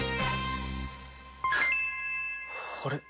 あれ？